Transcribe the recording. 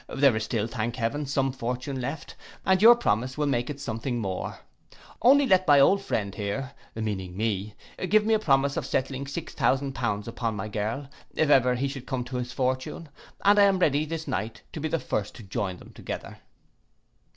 There is still, thank heaven, some fortune left, and your promise will make it something more. Only let my old friend here (meaning me) give me a promise of settling six thousand pounds upon my girl, if ever he should come to his fortune, and I am ready this night to be the first to join them together.